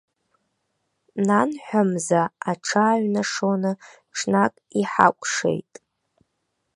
Нанҳәа мза аҽааҩнашоны, ҽнак иҳакәшеит.